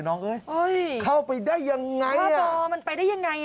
น้องปุ๊ยหันมาถามผมว่า